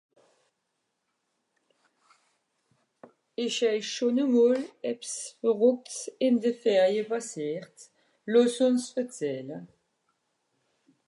ìsch eich schòn à mòl ebs verrùckts ìn de Ferie pàssiert ? lòs ùns verzähle